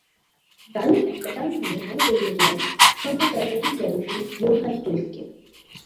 দারুণ একটা টার্ন নিয়ে মনে করিয়ে দিলেন সদ্যপ্রয়াত কিংবদন্তি ইয়োহান ক্রুইফকে।